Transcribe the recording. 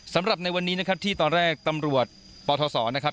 สำหรับในวันนี้นะครับที่ตอนแรกตำรวจปทศนะครับ